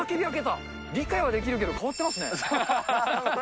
理解はできるけど、変わってますね。